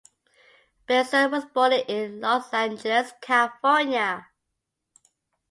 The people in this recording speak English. Bilson was born in Los Angeles, California.